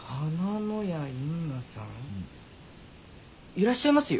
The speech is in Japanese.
いらっしゃいますよ。